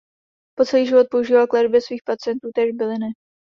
Po celý život používal k léčbě svých pacientů též byliny.